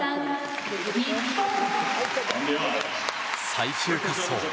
最終滑走。